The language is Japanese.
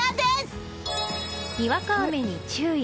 にわか雨に注意。